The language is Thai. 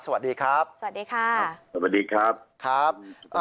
สวัสดีครับสวัสดีค่ะสวัสดีครับครับ